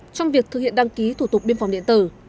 trong việc thực hiện đăng ký thủ tục biên phòng điện tử